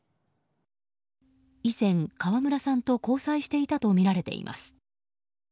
以前、川村さんと交際していたとみられています。